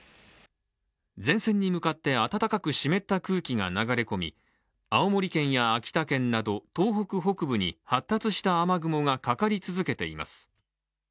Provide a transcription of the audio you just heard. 前線に向かって暖かく湿った空気が流れ込み、青森県や秋田県など東北北部に発達した雨雲がかかり続けています。